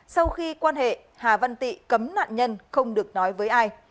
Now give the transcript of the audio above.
sau khi quan hệ hà văn tị cấm nạn nhân không được nói với ai